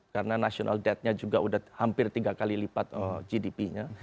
karena kematian nasionalnya juga sudah hampir tiga kali lipat gdp nya